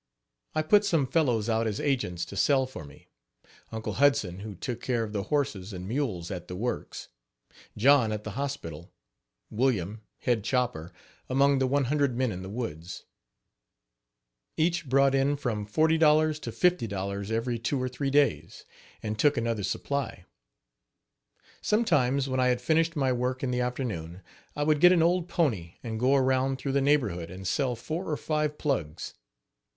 I put some fellows out as agents to sell for me Uncle Hudson, who took care of the horses and mules at the works; John at the hospital; William, head chopper, among the 100 men in the woods. Each brought in from $40.00 to $50.00 every two or three days, and took another supply. Sometimes, when I had finished my work in the afternoon, I would get an old pony and go around through the neighborhood and sell four or five plugs.